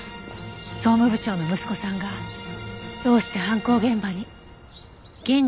総務部長の息子さんがどうして犯行現場に？